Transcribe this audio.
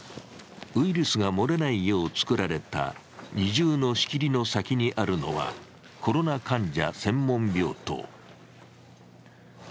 ウイルスが漏れないようつくられた二重の仕切りの先にあるのはコロナ患者専門病棟。